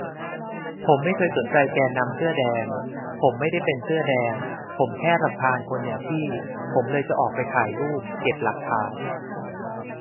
ผมไม่เคยสนใจแกนนำเสื้อแดง ผมไม่ได้เป็นเสื้อแดง ผมแค่รำคาญคนอย่างพี่ ผมเลยจะออกไปถ่ายรูป เก็บหลักฐาน